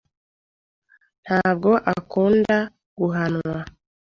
Ntabwo akunda guhanwa.